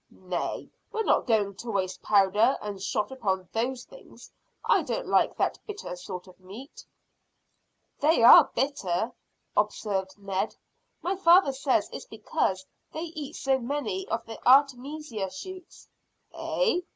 "Nay, we're not going to waste powder and shot upon those things. I don't like that bitter sort of meat." "They are bitter," observed Ned. "My father says it's because they eat so many of the artemisia shoots." "Eh?